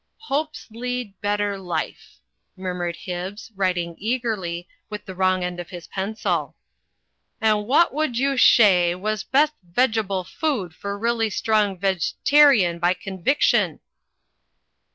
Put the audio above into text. "Hopes lead better life," murmured Hibbs, writing eagerly, with the wrong end of his pencil. "And wha' would you shay was best vegable food for really strong vegetarian by conviction?"